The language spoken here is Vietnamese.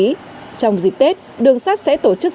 trong dịp tết đường sát sẽ tổ chức